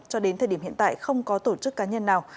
cho đến thời điểm hiện tại không có tổ chức cá nhân nào